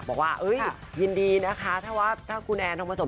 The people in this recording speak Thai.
บอกว่ายินดีนะคะถ้าว่าถ้าคุณแอนทองผสม